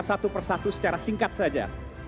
satu persatu secara singkat saja